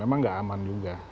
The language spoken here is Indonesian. memang nggak aman juga